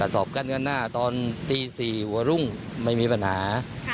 กระสอบกั้นข้างหน้าตอนตีสี่หัวรุ่งไม่มีปัญหาค่ะ